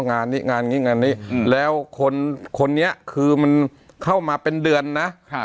งานนี้งานนี้งานนี้แล้วคนคนนี้คือมันเข้ามาเป็นเดือนนะ